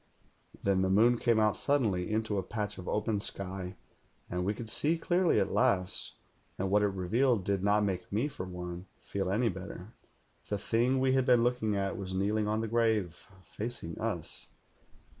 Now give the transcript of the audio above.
"Then the moon came out suddenly into a patch of open sky, and we could see clearly at last, and what it revealed did not make me, for one, feel any better. The thing we had been looking at was kneel ing on the grave, facing us.